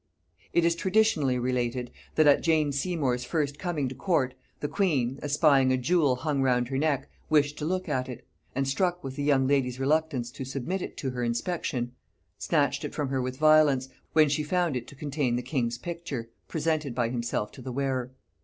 It is traditionally related, that at Jane Seymour's first coming to court, the queen, espying a jewel hung round her neck, wished to look at it; and struck with the young lady's reluctance to submit it to her inspection, snatched it from her with violence, when she found it to contain the king's picture, presented by himself to the wearer.